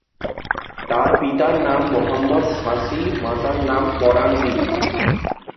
তার পিতার নাম মোহাম্মদ সাছি, মাতার নাম পরাণ বিবি।